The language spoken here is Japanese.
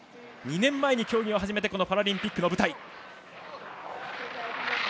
２年前に競技を始めてこのパラリンピックの舞台。